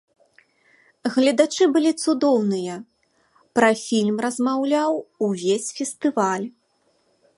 Гледачы былі цудоўныя, пра фільм размаўляў увесь фестываль.